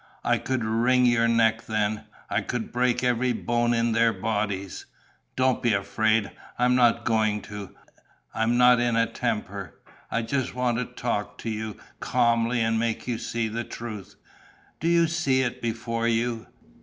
I could wring your neck then, I could break every bone in their bodies.... Don't be afraid: I'm not going to; I'm not in a temper. I just wanted to talk to you calmly and make you see the truth. Do you see it before you?